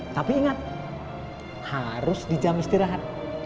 tapi ingat harus di jam istirahat